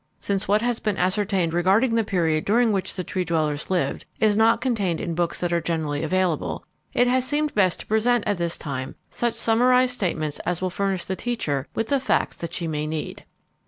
Since what has been ascertained regarding the period during which the Tree dwellers lived is not contained in books that are generally available, it has seemed best to present at this time such summarized statements as will furnish the teacher with the facts that she may need.